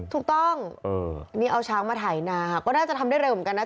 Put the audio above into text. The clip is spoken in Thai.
ถูกต้องนี่เอาช้างมาไถ่นาก็น่าจะทำได้เริ่มกันนะ